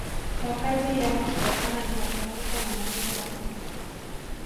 makazi yao kutokana na machafuko na mateso